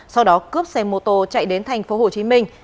sau đó cướp xe mô tô chạy đến thành phố hồ chí minh